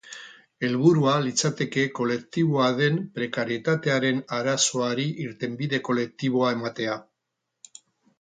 Helburua litzateke kolektiboa den prekarietatearen arazoari irtenbide kolektiboa ematea.